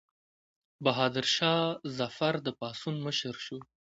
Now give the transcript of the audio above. بهادر شاه ظفر د پاڅون مشر شو.